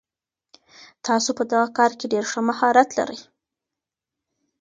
تاسو په دغه کار کي ډېر ښه مهارت لرئ.